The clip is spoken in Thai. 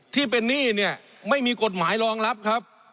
ที่เป็นหนี้เนี่ยไม่มีกฎหมายรองรับครับ